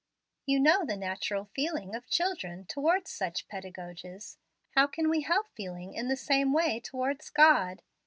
You know the natural feeling of children towards such pedagogues. How can we help feeling hi the same way towards God?